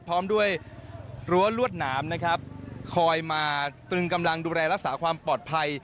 พร้อมด้วยรั้วลวดหนามนะครับคอยมาตรึงกำลังดูแลรักษาความปลอดภัย